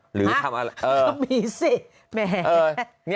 ห้ะมีสิแม่